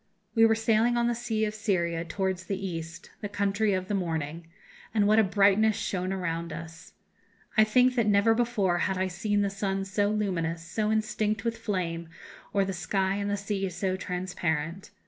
We were sailing on the sea of Syria towards the East the country of the morning and what a brightness shone around us! I think that never before had I seen the sun so luminous, so instinct with flame, or the sky and the sea so transparent.